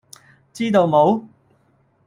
知道冇?